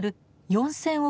４，０００億